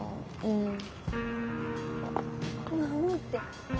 「うん」って。